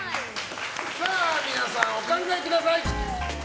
皆さん、お考えください。